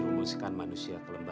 ya kakak mau ny franca